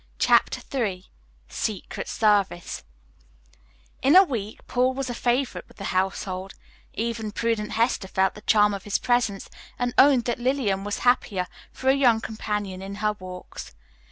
Chapter III SECRET SERVICE In a week Paul was a favorite with the household; even prudent Hester felt the charm of his presence, and owned that Lillian was happier for a young companion in her walks.